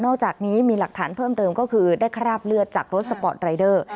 อกจากนี้มีหลักฐานเพิ่มเติมก็คือได้คราบเลือดจากรถสปอร์ตรายเดอร์